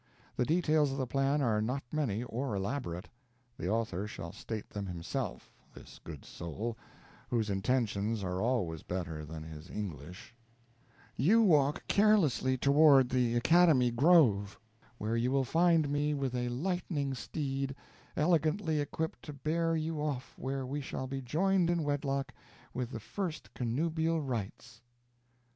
The details of the plan are not many or elaborate. The author shall state them himself this good soul, whose intentions are always better than his English: "You walk carelessly toward the academy grove, where you will find me with a lightning steed, elegantly equipped to bear you off where we shall be joined in wedlock with the first connubial rights."